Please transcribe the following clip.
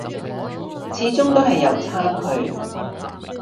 始終都係有差距